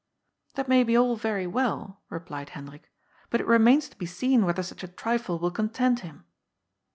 ''" That may be all very well," replied Hendrik, " bat it remains to be seen whether such a trifle will content him."